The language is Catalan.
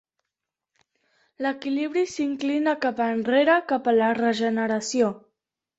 L'equilibri s'inclina cap enrere cap a la regeneració.